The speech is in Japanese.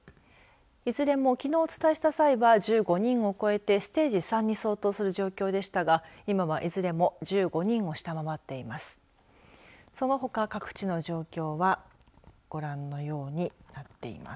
いずれも、きのうお伝えした際は１５人を超えてステージ３に相当する状況でしたが、今はいずれも１５人を下回っています。